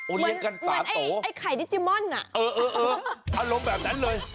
เลี้ยงกันเหมือนไอ้ไข่ดิจิมอนอารมณ์แบบนั้นเลย